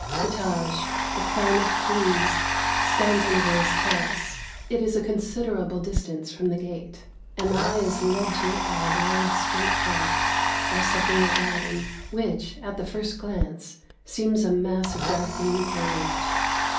The Tâj the Crown of Kings stands on a raised terrace; it is a considerable distance from the gate, and the eye is led to it by a wide, straight path, bisecting a garden, which, at the first glance, seems a mass of dark green foliage.